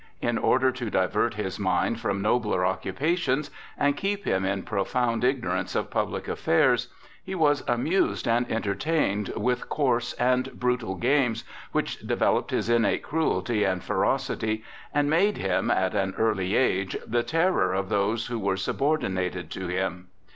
In order to divert his mind from nobler occupations and keep him in profound ignorance of public affairs, he was amused and entertained with coarse and brutal games which developed his innate cruelty and ferocity, and made him, at an early age, the terror of those who were subordinated to him.